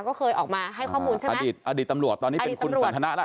ก็เคยออกมาให้ข้อมูลใช่ไหมอดีตอดีตตำรวจตอนนี้เป็นคุณสันทนะแล้ว